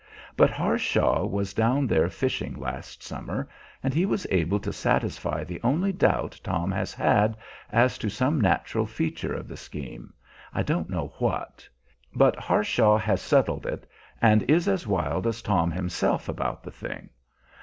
But Harshaw was down there fishing last summer, and he was able to satisfy the only doubt Tom has had as to some natural feature of the scheme I don't know what; but Harshaw has settled it, and is as wild as Tom himself about the thing.